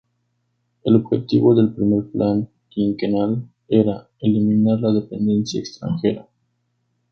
El objetivo del Primer Plan Quinquenal era "eliminar la dependencia extranjera".